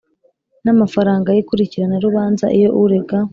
n amafaranga y ikurikiranarubanza Iyo urega